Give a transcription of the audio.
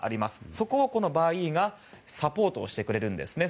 そこをこのＢｕｙｅｅがサポートしてくれるんですね。